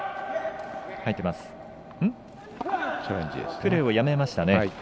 プレーをやめました。